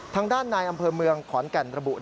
ทางด้านนายอำเภอเมืองขอนแก่นระบุ